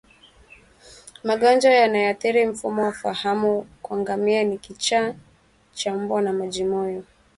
Magonjwa yanayoathiri mfumo wa fahamu kwa ngamia ni kichaa cha mbwa na majimoyo